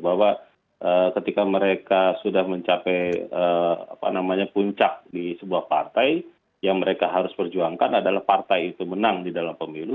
bahwa ketika mereka sudah mencapai puncak di sebuah partai yang mereka harus perjuangkan adalah partai itu menang di dalam pemilu